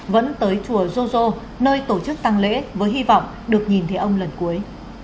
vẫn tới chùa joso nơi tổ chức tăng lễ với hy vọng được nhìn thấy ông lần cuối